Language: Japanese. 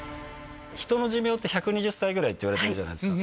人の寿命って、１２０歳ぐらいっていわれてるじゃないですか。